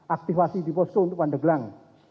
aktivasi diposto untuk pandeglang